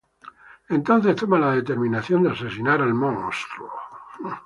Entonces toma la determinación de asesinar al monstruo.